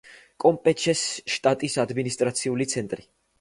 კამპეჩეს შტატის ადმინისტრაციული ცენტრი.